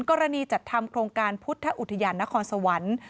จัดทำโครงการพุทธอุทยานนครสวรรค์